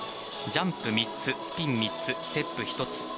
ジャンプ３つ、スピン３つステップ１つ。